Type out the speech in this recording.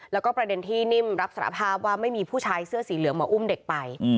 แล้วก็ประเด็นที่นิ่มรับสารภาพว่าไม่มีผู้ชายเสื้อสีเหลืองมาอุ้มเด็กไป